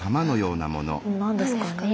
何ですかね。